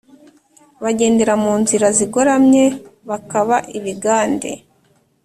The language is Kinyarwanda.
Bagendera mu nzira zigoramye Bakaba ibigande